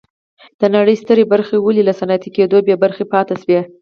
د نړۍ سترې برخې ولې له صنعتي کېدو بې برخې پاتې شوې.